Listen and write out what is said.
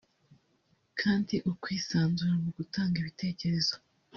“Kandi ukwisanzura mu gutanga ibitekerezo